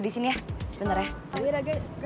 di sini ya sebentar ya